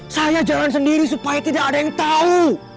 saya jalan sendiri supaya tidak ada yang tahu